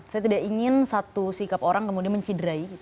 saya tidak ingin satu sikap orang kemudian menciderai